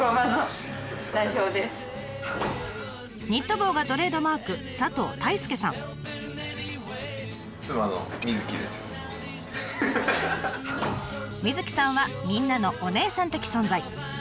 ニット帽がトレードマークみずきさんはみんなのお姉さん的存在。